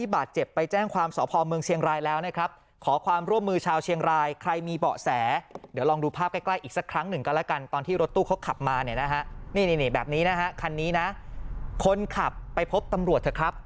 แบบนี้นะฮะคันนี้นะคนขับไปพบตำรวจเถอะครับ